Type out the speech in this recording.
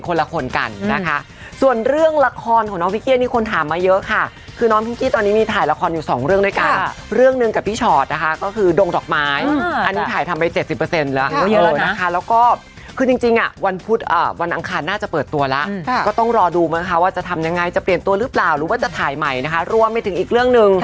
กันนะคะส่วนเรื่องละครของน้องพิเกียร์นี่คนถามมาเยอะค่ะคือน้องพิ้งกี้ตอนนี้มีถ่ายละครอยู่สองเรื่องในการเรื่องนึงกับพี่ชอดนะคะก็คือดงดอกไม้อันนี้ถ่ายทำไปเจ็ดสิบเปอร์เซ็นต์แล้วนะคะแล้วก็คือจริงจริงอ่ะวันพุธอ่ะวันอังคารน่าจะเปิดตัวแล้วก็ต้องรอดูมั้ยคะว่าจะทำยังไงจะเปลี่ยนตัวหรือเปล่าหรือ